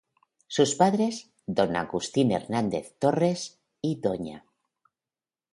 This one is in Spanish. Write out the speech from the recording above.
Sus padres, D. Agustín Hernández Torres y Dª.